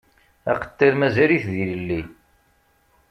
Aqettal mazal-it d ilelli.